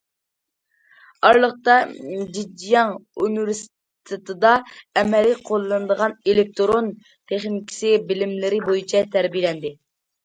ئارىلىقتا جېجياڭ ئۇنىۋېرسىتېتىدا ئەمەلىي قوللىنىلىدىغان ئېلېكتىرون تېخنىكىسى بىلىملىرى بويىچە تەربىيەلەندى.